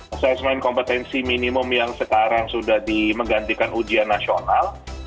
asesmen kompetensi minimum yang sekarang sudah dimenggantikan ujian nasional